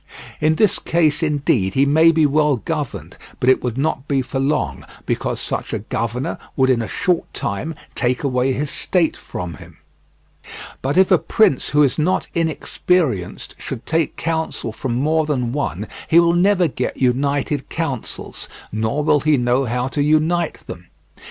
In this case indeed he may be well governed, but it would not be for long, because such a governor would in a short time take away his state from him. But if a prince who is not inexperienced should take counsel from more than one he will never get united counsels, nor will he know how to unite them.